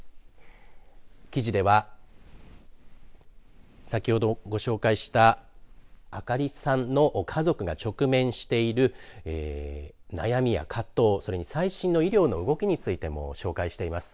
記事では先ほどご紹介した月さんの家族が直面している悩みや葛藤それに最新の医療の動きについても紹介しています。